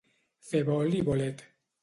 Fer bol i bolet.